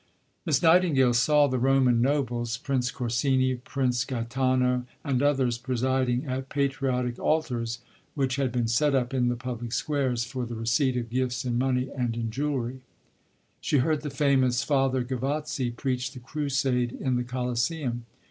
" Miss Nightingale saw the Roman nobles, Prince Corsini, Prince Gaetano, and others, presiding at "patriotic altars," which had been set up in the public squares for the receipt of gifts in money and in jewellery. She heard the famous Father Gavazzi preach the crusade in the Colosseum.